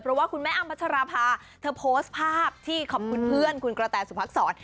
เพราะว่าคุณแม่อ้ำพัชราภาเธอโพสต์ภาพที่ขอบคุณเพื่อนคุณกระแตสุพักษร